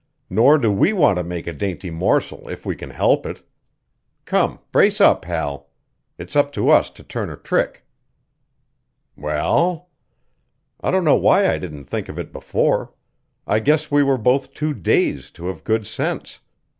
Nor do we want to make a dainty morsel if we can help it. Come, brace up, Hal. It's up to us to turn a trick." "Well?" "I don't know why I didn't think of it before. I guess we were both too dazed to have good sense.